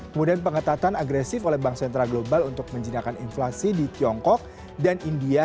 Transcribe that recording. kemudian pengetatan agresif oleh bank sentra global untuk menjinakkan inflasi di tiongkok dan india